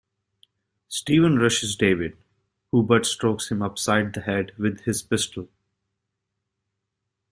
Steven rushes David, who butt-strokes him upside the head with his pistol.